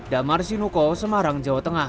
damar sinuko semarang jawa tengah